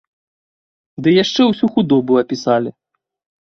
Ды яшчэ ўсю худобу апісалі.